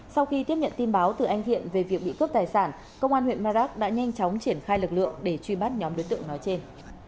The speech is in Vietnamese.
sau khi tiếp nhận tin báo từ anh thiện về việc bị cướp tài sản công an huyện marak đã nhanh chóng triển khai lực lượng để truy bắt nhóm đối tượng nói trên